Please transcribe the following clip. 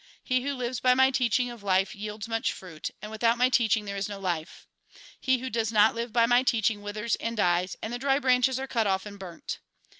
He who lives by my teaching of life yields much fruit ; and without my teaching there is no life. He who does not live by my teaching withers and dies ; and the dry branches are cut off and burnt.